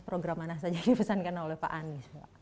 program mana saja yang dipesankan oleh pak anies